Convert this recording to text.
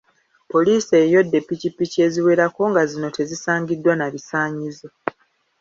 Poliisi eyodde pikipiki eziwerako nga zino tezisangiddwa na bisaanyizo.